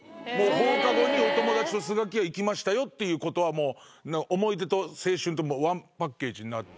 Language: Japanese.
放課後にお友達とスガキヤ行きましたよってことは思い出と青春ワンパッケージになってるようなものらしい。